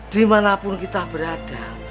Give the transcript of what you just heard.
dimanapun kita berada